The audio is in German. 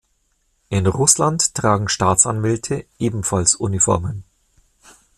In Russland tragen Staatsanwälte ebenfalls Uniformen.